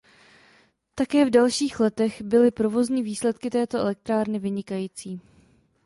Také v dalších letech byly provozní výsledky této elektrárny vynikající.